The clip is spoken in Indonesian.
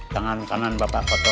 tangan tangan bapak koto